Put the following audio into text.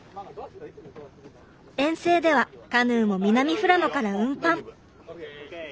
遠征ではカヌーも南富良野から運搬。